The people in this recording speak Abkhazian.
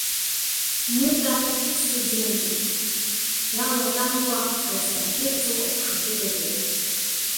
Мыта студентуп, иалатәамкәа аҵара ахьырҵо аҟәшаҿы дыҟоуп.